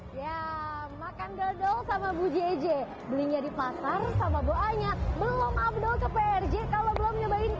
hai ya makan dodol sama bu jj belinya di pasar sama buanya belum abdo ke prj kalau belum nyobain